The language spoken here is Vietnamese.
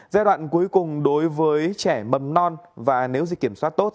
giai đoạn cuối cùng đối với trẻ mầm non và nếu dịch kiểm soát tốt